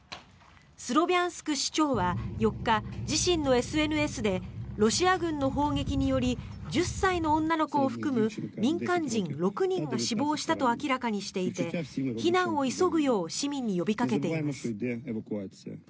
スロビャンスク市長は４日自身のＳＮＳでロシア軍の砲撃により１０歳の女の子を含む民間人６人が死亡したと明らかにしていて避難を急ぐよう市民に呼びかけています。